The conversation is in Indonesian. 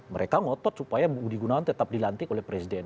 mereka ngotot supaya budi gunawan tetap dilantik oleh presiden